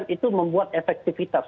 itu membuat efektivitas